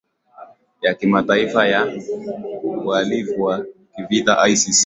ya kimataifa ya uhalifu wa kivita icc